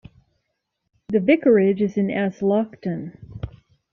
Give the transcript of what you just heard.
The vicarage is in Aslockton.